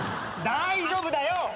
大丈夫だよ。